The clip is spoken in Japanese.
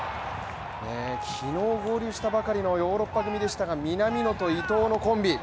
昨日合流したばかりのヨーロッパ組でしたが南野と伊藤のコンビ。